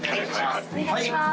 お願いします。